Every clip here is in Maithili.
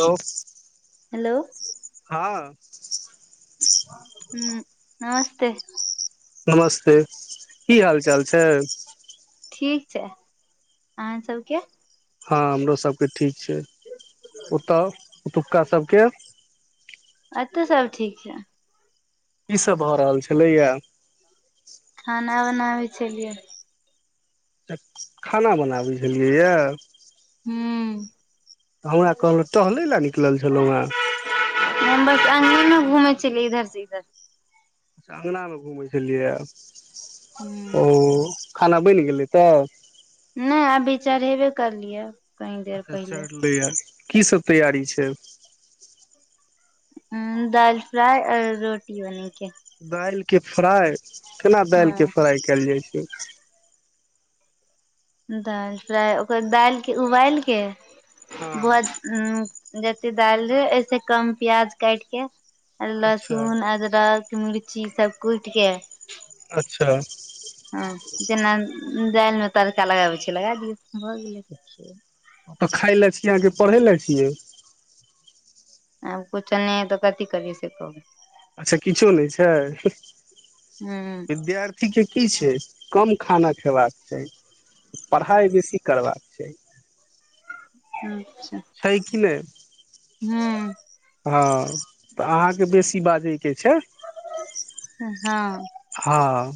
हेलो हेलो हँ ह नमस्ते नमस्ते की हाल चाल छै ठीक छै अहाँ सबके हँ हमरो सबके ठीक से ओतऽ ओतुक्काभके अचछऽ सब ठीक छै कीसभ भऽ रहल छलैए खाना बना भै छलियै तऽ खाना बनाबै छलियैए हू तऽ हमरा कहलों टहलय लए निकलल छलहुँ हेँ अ ने घूमेै छलिय इधर से इधर च्छा अङ्गलामे घुमै छलियै ओ खाना बनि गेलै तब? नै, अभी चढ़ेबे करलियै। कनी देर अच्छा पहिले चढ़लैए। की सब तैयारी छै? दाल फ्राइ आओर रोटी बन के दालि के फ्राइ केना दालि के हँ फ्राई कयल जाइ छै ठीक छै। दालि फ्राइ ओकर दालिके उबालि के हँ [unintelligible] उम्म जते दालि रहै, ओहिसे कम प्याज काइट के आ अच्छा लहसून, अदरक मिर्ची सब कुइट के अच्छा अ जेना दालिमे तड़का लगाबै छिये, लगा दिऔ। अच्छा। एतऽ खाइ ले छी अहाँ कि पढ़ै ल छियै? आब कुछो नहि है तऽ कथी करीये से कहू। अच्छा किछो नहि छै? हूँ विद्यार्थीके की छै, कम खाना खयबाक चाही। पढ़ाइ बेसी करबाक चाही। ह्म। छै कि नै? हूँ हँ, तऽ अहाँके बेसी बाजैके छै। हँ। हँ।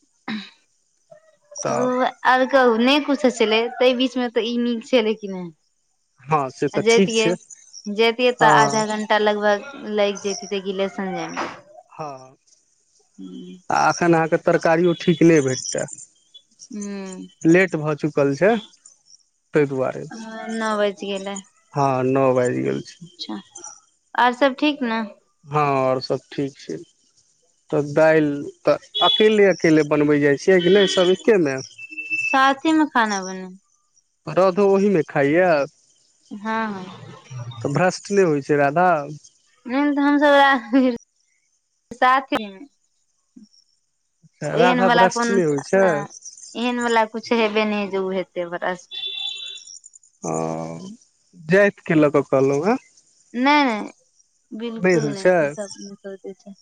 [inaudible] तऽ ऊ आर कहू, नहि कुछो छलै, ताहि बीचमे तऽ ई नीक छलै कि ने? हँ से तऽ आ ठीक जैतिये छै जैतिये हँ तऽ आधा घंटा लगभग लाइग जैतै त की ले से सरमजाममे। हँ। त एखन अहाँके तरकारीयो ठीक नै भेटते। हूँ लेट भ चुकल छै। ताहि दुआरे ह, न बैज गेलै। न बाजि गेल। छै अच्छा आओर सब ठीक ने हँ आओर सब ठीक छै तब दालि तऽ अकेले-अकेले बनबै जाइ छियै कि नहि सब एक मे साथेमे खाना बनै हरध ओहिमे खाइए ह ह। [unintelligible] ह त हमसब वेह [unintelligible] साथेमे। राधा ओहेनवला भ्रष्ट कोन नहि होइ छै अ एहनवला कुछ हे बे नहि जे ओ हेतै ब्रश ओ जाइत के लऽ कऽ कहलहुँ ह नहि बिलकुल होइ नहि ई छै सब सब छै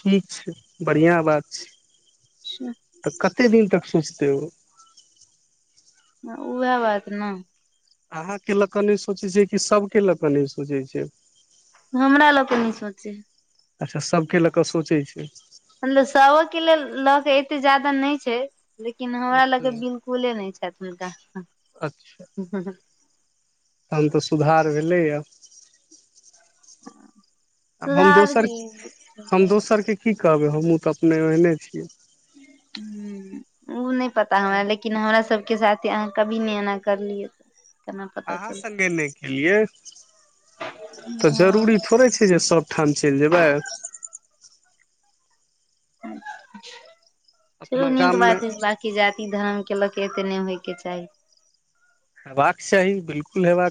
ठीक छै बढ़िआँ बात छै छै तऽ कत कते दिन तक सोचते ओ उएह बात ने अहाँके लऽ कऽ नहि सोचै छिय कि सभके लऽ कऽ नहि सोचै छैय हमरा लऽ क नहि सोचै अच्छा सभके लऽ कऽ सोचै छै अन्द साव केल ल ऽ एते जादा नहि छै लेकिन हमरा अच्छा लके बिलकुले नहि छथि हुनका तखन तऽ सुधार भेलैए आ हम सुधार दोसर की हम ह दोसर के की कहबै हमहहुँ तऽ अपने ओहने छियै ह ओ नहि पता हमरा लेकिन हमरा सब के साथ अहाँ कभी नहि एना करलियए त अहाँ सङ्गे नहि केलियै तऽ हँ जरूरी थोड़े छै जे सभ ठाम चलि जेबै ह चलू अपना नीक गाममे बात है बाँकी जाति धर्म केलक एते नहि होय के चाही हेबाक साही बिलकुल हे ब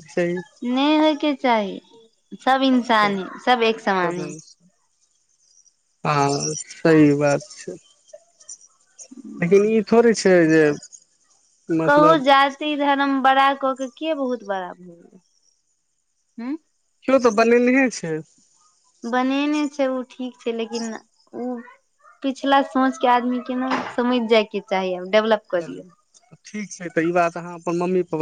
नहि होयके चाही सब इन्सान है सब एक समान है हँ सही बात छै देखिन ई छै से जे कहू मतलब जाति धरम बड़ा क। के बहुत बड़ा भूल ह। केओ तऽ बनेलहे छै। बनेने छै ओ ठीक छै लेकिन ओ पिछला सोच के आदमी के ने समझ जायके चाहीभ चलू ठीक छै तऽ ई बात अहाँ अपन मम्मी। [inaudible]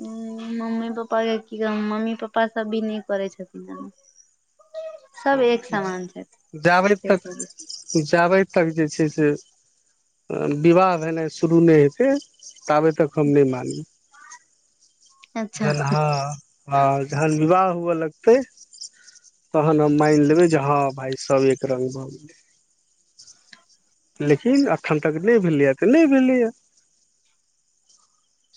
ह मम्मी पप्पाके की कह मम्मी पप्पा सभ भी नहि करै छथिन। ओ सब एक समान छथि जाबै त जाबै। [inaudible] अच्छा जे हँ ह जहन विवाह। ल तन म लेबै जे हँ भ सब एक र। लेकिन एखन तक नहि भेलैए तऽ नहि भेलैए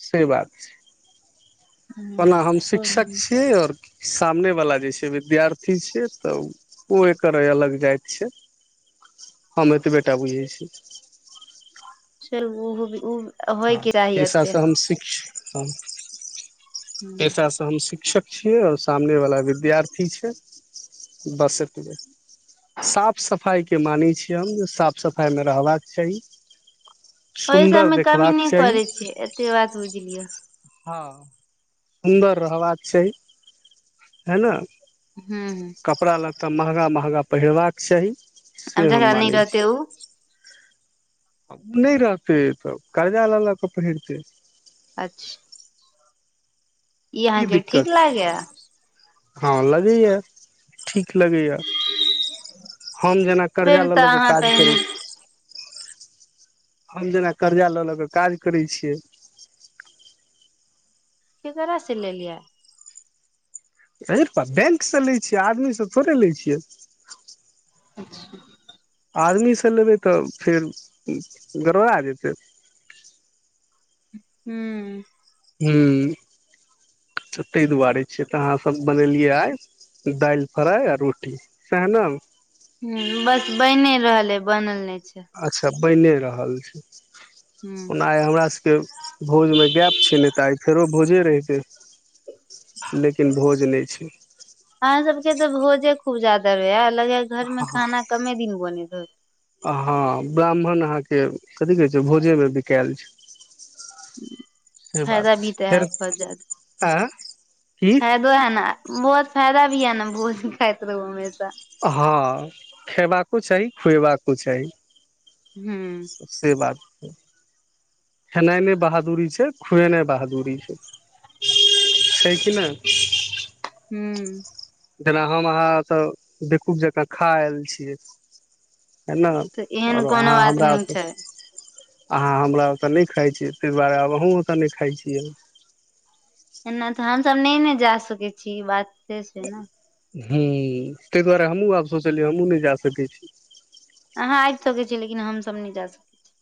से बात छै। ओना हम शिक्षक छीियै आओर। सामने वाला जे छै विद्यार्थी छै तऽ ओ एकर अलग जाति छै हम एतबे। टा बुझै छी। सेल ओहोी ओ। हँ पसाँ हम शिक्ष। [unintelligible] ऐसाा हम सिख। शिक्षक छियै आओर सामने वला विद्यार्थी छै बस एतबे साफ सफाइके मानै छियै हम साफ सफाइमे रहबाक चाही। ओहि सुन्दर सबमे कमी देखबाक नहि। चाही कर छी एतेके बात ह। [inaudible] हँ सुन्दर रहबाक छै है ने। [inaudible] तऽ महगा महगा पहिरबाक चाही। अ से हम झरा नहि मानै रहते ओ। नहि रहतै तऽ कर्जा लऽ लऽ कऽ पहिरतै। अच्छा। ई अहाँके ठीक लागैा। हँलग ही य ठीक लगैए। हम जेना कर्जा फेर लऽ ले तऽ के अहाँ काज पहिने करैत छी। हम जेना कर्जा लऽ लऽ कऽ काज करै छियै। की कर स लेललिया। रुपा बैंकसँ लै छियै आदमीसँ थोड़े लै छियै अच्छा आदमीसँ लेबै तऽ फेर गड़बड़ा जेतै हूँ हूँ तऽ ताहि दुआरे छियै तऽ अहाँसभ बनेलियै आ दालि फ्राइ आ रोटी सह न ह बस बनि रहल ह बनल नहि छै। अच्छा। बैने रहल छै हूँ ओना आइ हमरा सब के भोजमे गैप छै नहि तऽ आइ फेरो भोजे रहितै लेकिन भोज नहि छै अहाँ सबके तऽ भोजे खूब ज्यादा हाएत हँ होत हाँ ब्राह्मण अहाँके कथि कहै छै भोजेमे बिकाएल छै से बात फायदा भी तऽ है फेर बचत आ की फायदो है न बहुत फायदा भी है न भोज खाइत रहु हमेशा हाँ खयबाको चाही खुएबाको चाही हूँ से बात खेनाइ नहि बहादुररी छै खुएना बहादुररी छै छै कि नहि हूँ जेना हम अहाँ तऽ बेवकूफ जंका खा आएल छियै है ने तऽ एहन आओरो कोनो अहाँ बात हमरा नहि ओतऽ छै अहाँ हमरा ओतऽ नहि खाइ छी तैहि दुआरे आब अहूँ ओतऽ नहि खाइ छियै एना तहन सब नहि ने जा सकै छी ई बात से छै न हूँ तैहि दुआरे हमहूँ आब सोचलियै हमहूँ नहि जा सकै छी अहाँ आबि सकै छियै लेकिन हमसभ नहि जा सकै छी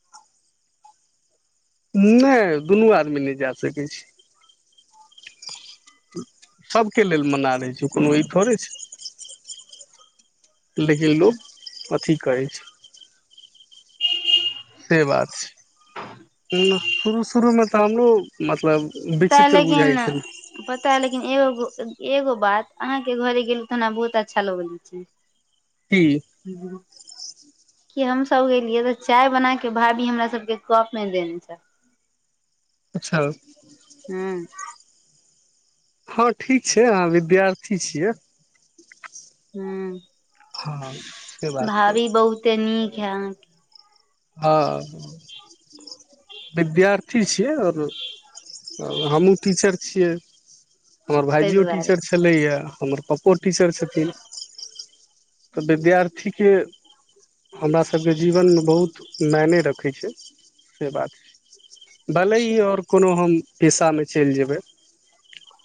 नहि दुनू आदमी नहि जा सकै छी सभके लेल मना रहै छै कोनो ई थोड़े छै लेकिन लोक अथी करै छै से बात छै न शुरू शुरूमे तऽ हमरो मतलब पता है विचित्र बुझाइ लेकिन छल पता है लेकिन एगो एगो बात अहाँ के घरे गेलू तऽ हमरा बहुत अच्छा लगल छै की हूँ कि हमसभ गेललियै तऽ चाय बना कऽ भाभी हमरा सभके कप देने छल अच्छा हूँ हँ ठीक छै अहाँ विद्यार्थी छियै हूँ हँ से बात छै भाभी बहुते नीक यहाँ के हाँ विद्यार्थी ए अर औ हमु टीचर छियै। हमर ताहि भाईजीयो दुआरे टीचर छलैया हमर पप्पो पिसर छथिन। तऽ विद्यार्थी के हमरा सबके जीवन मे बहुत मायने रखै छै से बात छै। दलई और कुनु हम पेशा मे चैल जेबै।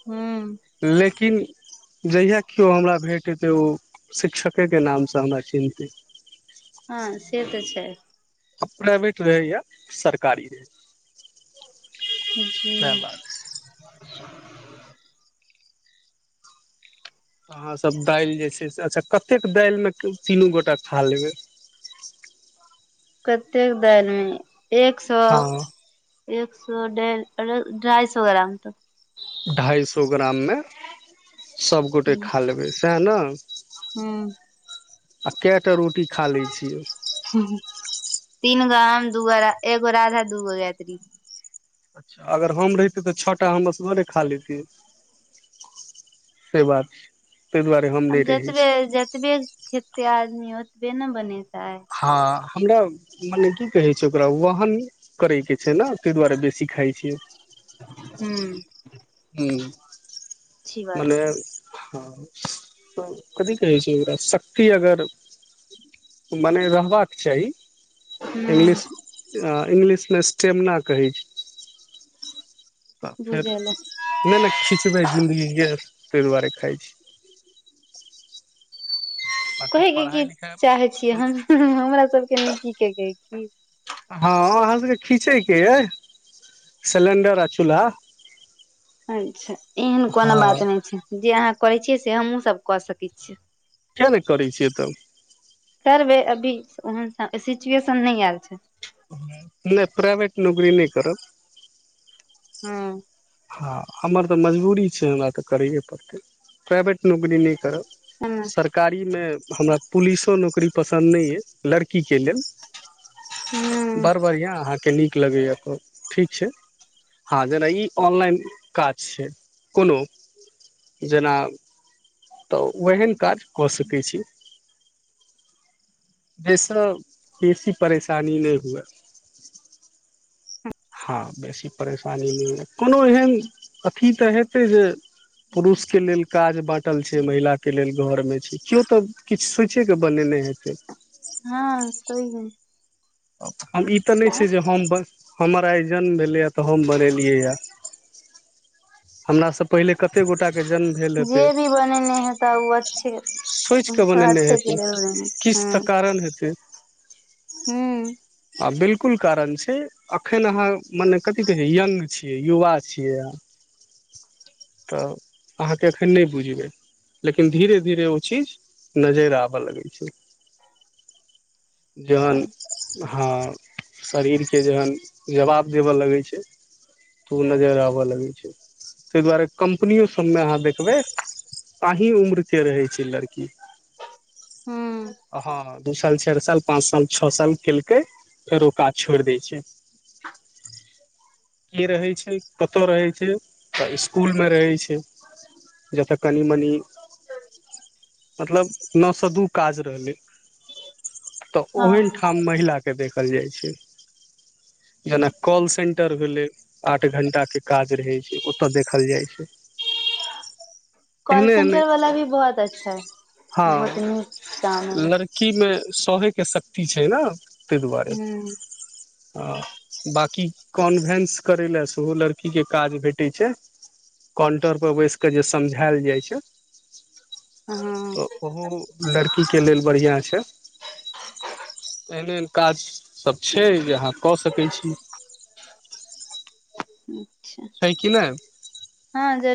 ह्म्म। किन जहिया कियो हमरा भेट हेतै ओ शिक्षके नाम सँ हमरा चिन्हतै। हाँ से ते छै। प्राइवेट रहै या सरकारी रहै। सएह बात हम्म हुं। अहाँ सब दाल जे छै से, अच्छा कतेक दाल मे तीनू गोटा खा लेबै। कतेक दाल मे एक सौ हँ एक सौ, डेढ़ अ ढ़ाई सौ ग्राम तक। ढ़ाई सौ ग्राम मे। सब गोटे तक खा लेबे। ताए नै। हूं अ काय टा रोटी खा लै छियै। तीनगो हम, दूगो रा, एगो राधा, को दूगो गायत्री। अच्छा अगर हम रहितै ते छटा हम असगरे खा लेैतियै से बात छै। ताहि दुआरे हम अम नहि रहै छी जेतबे जेतबे खेते आ दमी ओतबे नै बने हाँ। हमरा मने की कहै छै ओकरा, वाहन नै करै के छै न तै दुआरे बेसी खाय छियै। अच्छी ह्म्म बात मने हाँ ते कथि कहै छी एकरा शक्ति अगर मने रहबाक चाही। हूं इंग्लिश अ इंग्लिश मे स्टेमना कहै छै। तऽ फेर बुझल अय नहि नहि खिचबै जिन्दगी गै ताहि दुआरे खाइ छी बाकी कहैक की पढ़ाइ चाहै छियै लिखाइ हम हमरा सभके न क के की हँ अहाँ सभके खीचयके यइ सिलिण्डर आ चूल्हा अच्छा एहन कोनो हँ बात नहि छै जे अहाँ करै छियै से ते हमु सब कऽ सकै छियै। किया नहि करै छियै तब सर वे अभी सोहन हाँ सिचुएशन नै आएल छै। नहि प्राइवेट नौकरी नहि करब हँ हँ हमर तऽ मजबूरी छै हमरा तऽ करैए पड़तै प्राइभेट नौकरी नहि करब हूं सरकारी में हमरा पुलिसो नौकरी पसन्द नहि यऽ लड़कीके लेल बड़ बढ़िआँ अहाँ के नीक लगैया अपन ठीक छै हँ जेना ई आँनलाइन काज छै कोनो जेना त वहैन काज क सकै छी जय से बेसी परेशानी नइ हुए हँ बेसी परेशानी नहि यए कोनो एहन अथी तऽ हेतै जे पुरुषके लेल काज बाँटल छै महिलाके लेल घर में छै केओ तऽ किछु सोचैके बनेने हेतै हँ सही हे ह हम ई तऽ नहि छै जे हम बस हमर आइ जन्म भेलै हा तऽ हम बनेलियै या हमरा सब पहिले कते गोटाके जन्म भेल जे हेतै भी बनेने हेता ओ अच्छे सोचिके बनेने अच्छे के हेतै लेल किछु तऽ कारण हेतै हू बिल्कुल कारण छै अखन अहाँ मने कथी कही यंग छीयै युवा छीयै अहाँ त अहाँक अखन नइ बुझबै लेकिन धीरे- धीरे ओ चीज नजैर आबऽ लगै छै जन हँ शरीरके जखन जबाब देबऽ लगै छै त ओ नजर आबय लगै छै तय द्वारे कंपनीयौ सब में अहाँ देखबै अहीँ उम्र के रहै छै लड़की हँ दु साल चाइर साल पाँच साल छओ साल केलकै फेर ओ काज छोड़ि दै छै क रहै छै कतय रहै छै तऽ इसकुलमे रहै छै जतय कनि मनी मतलब नऽ स दू काज रहलै ओहन हँ ठाम महिला देखल जाइ छै जेना कॉल सेन्टर भेलै आठ घण्टाके काज रहै छै ओतय देखल जाइ छै कॉल एहने एहने सेंटर वाला भी बहुत अच्छा है बहुत हँ निक काम है सोहेके सक ती छै ने ताहि दुआरे हूँ बकी कॉन्भेन्स करय लए सेहो लड़कीके काज भेटै छै काउण्टर पर बैस कऽ जे समझायल जाइ छै हँ तऽ ओहो लड़की ई के लेल बढ़िया छै एहन एहन काज सब छै अहाँ कऽ सकै छी हूँ अच्छा छै कि नहि हाँ जरूर